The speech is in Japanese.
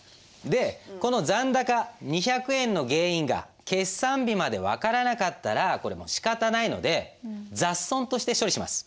でこの残高２００円の原因が決算日まで分からなかったらこれもうしかたないので「雑損」として処理します。